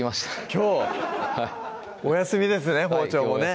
きょうお休みですね包丁もね